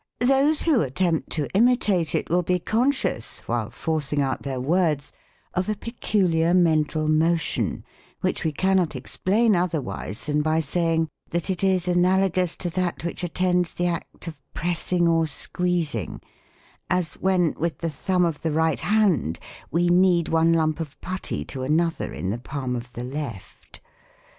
Those who attempt to imitate it will be conscious, while forcing out their words, of a peculiar mental motion, which we cannot explain otherwise than by saying, that it is analogous to that which attends the act of pressing or squeezing ; as when, with the thumb of the right hand, we knead one lump of putty to another, in the palm of the left.